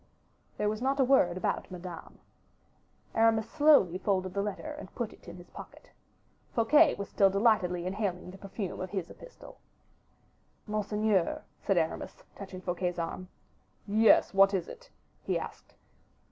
There was not a word about Madame. Aramis slowly folded the letter and put it in his pocket. Fouquet was still delightedly inhaling the perfume of his epistle. "Monseigneur," said Aramis, touching Fouquet's arm. "Yes, what is it?" he asked.